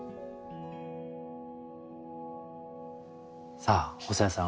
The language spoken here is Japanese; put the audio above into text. さあ細谷さん